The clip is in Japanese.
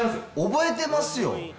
覚えてますよ。